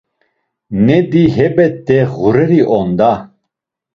Nedi hebet̆e ğureri on da!